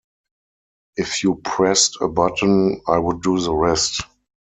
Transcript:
If you pressed a button, I would do the rest.